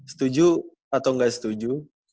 setuju atau gak setuju